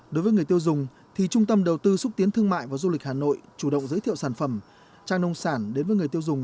đối với người tiêu dùng thì trung tâm đầu tư xúc tiến thương mại và du lịch hà nội chủ động giới thiệu sản phẩm trang nông sản đến với người tiêu dùng